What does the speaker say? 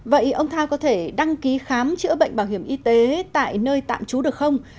vậy ông thao có thể đăng ký khám chữa bệnh bảo hiểm y tế tại nơi tạm trú được không